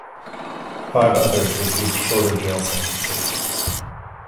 Five others received shorter jail sentences.